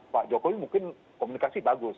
pak jokowi mungkin komunikasi bagus